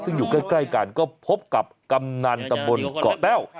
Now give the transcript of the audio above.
ซึ่งอยู่ใกล้กันก็พบกับกำนันตำบลเกาะแต้ว